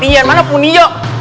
tinggi mana pun ijo